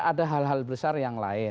ada hal hal besar yang lain